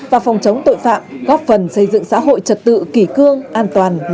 và phòng chống tội phạm góp phần xây dựng xã hội trật tự kỳ cương an toàn lành mạnh